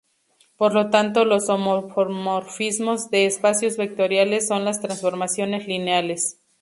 Por lo tanto, los homomorfismos de espacios vectoriales son las transformaciones lineales.